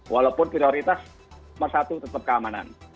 walaupun prioritas nomor satu tetap keamanan